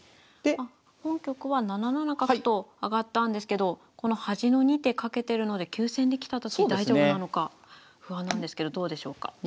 本局は７七角と上がったんですけどこの端の２手かけてるので急戦できたとき大丈夫なのか不安なんですけどどうでしょうか？